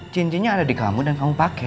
cincinnya ada di kamu dan kamu pakai